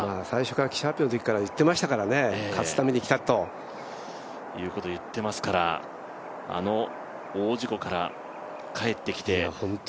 最初から記者会見のときから言ってましたから勝つために来たと。ということを言っていますから、あの大事故から帰ってきて。